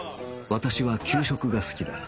私は給食が好きだ